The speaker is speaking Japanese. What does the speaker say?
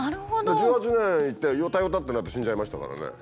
１８年いてよたよたってなって死んじゃいましたからね。